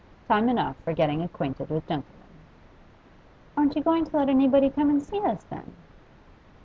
Time enough for getting acquainted with gentlemen.' 'Aren't you going to let anybody come and see us, then?